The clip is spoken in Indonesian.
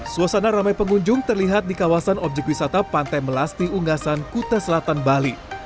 suasana ramai pengunjung terlihat di kawasan objek wisata pantai melasti ungasan kute selatan bali